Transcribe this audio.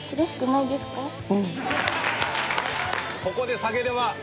ここで下げれば。